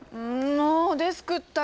もうデスクったら